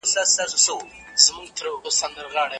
مېګرین د رواني روغتیا ستونزې رامنځته کوي.